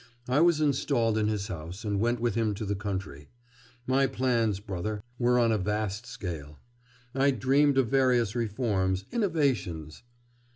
I was installed in his house and went with him to the country. My plans, brother, were on a vast scale; I dreamed of various reforms, innovations...